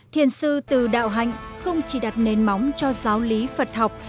thiền sư từ đạo hạnh không chỉ đặt nền móng cho giáo lý phật học